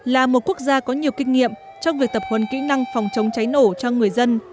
là một quốc gia có nhiều kinh nghiệm trong việc tập huấn kỹ năng phòng chống cháy nổ cho người dân